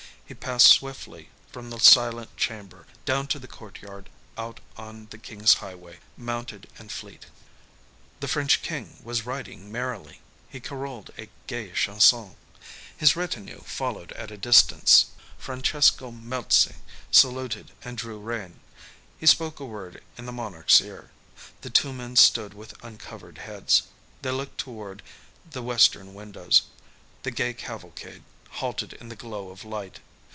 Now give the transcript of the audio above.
He passed swiftly from the silent chamber, down to the courtyard, out on the King's highway, mounted and fleet. The French King was riding merrily. He carolled a gay chanson. His retinue followed at a distance. Francesco Melzi saluted and drew rein. He spoke a word in the monarch's ear. The two men stood with uncovered heads. They looked toward the western windows. The gay cavalcade halted in the glow of light.